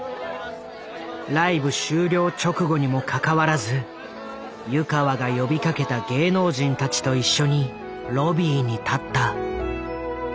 ライブ終了直後にもかかわらず湯川が呼びかけた芸能人たちと一緒にロビーに立った。